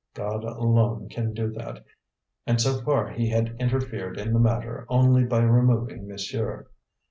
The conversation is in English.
God alone can do that, and so far he had interfered in the matter only by removing monsieur.